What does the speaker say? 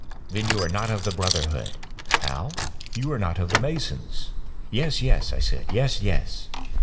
"Then you are not of the brotherhood." "How?" "You are not of the masons." "Yes, yes," I said, "yes, yes."